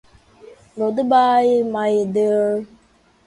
Good-bye, my dear.